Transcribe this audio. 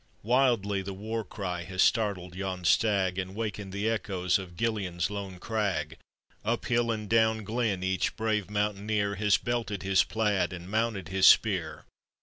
Wildly the war cry has startled yon stag, And waken'd the echoes of Gillean's lone crag; Up hill and down glen each brave mountaineer' Has belted his plaid and mounted his spear.